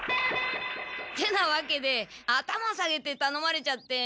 てなわけで頭を下げてたのまれちゃって。